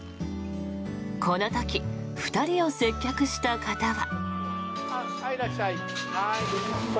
この時、２人を接客した方は。